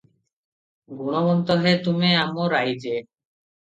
"ଗୁଣବନ୍ତ ହେ ତୁମେ ଆମ ରାଇଜେ